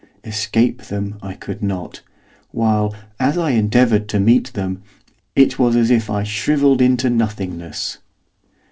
Escape them I could not, while, as I endeavoured to meet them, it was as if I shrivelled into nothingness.